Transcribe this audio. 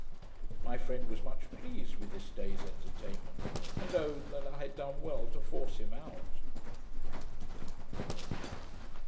My friend was much pleased with this day's entertainment, and owned that I had done well to force him out.